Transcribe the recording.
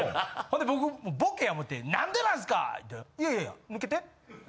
ほんで僕ボケや思て「何でなんすか！」って「いやいや抜けて」。